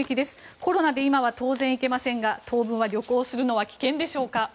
コロナで今は当然行けませんが当分は旅行をするのは危険でしょうか。